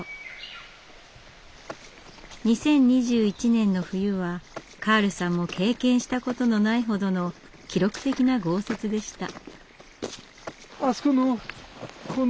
２０２１年の冬はカールさんも経験したことのないほどの記録的な豪雪でした。